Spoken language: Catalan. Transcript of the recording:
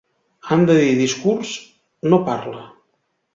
Han de dir "discurs", no "parla".